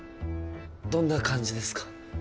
どんな感じですか？